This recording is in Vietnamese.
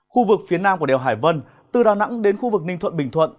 khu vực phía nam của đèo hải vân từ đà nẵng đến khu vực ninh thuận bình thuận